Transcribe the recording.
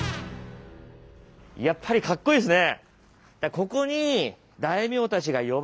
やっぱりかっこいいですね！